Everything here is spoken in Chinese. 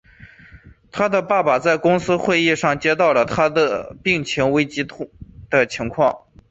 他的爸爸在公司的会议上接到了他病情危机的情况。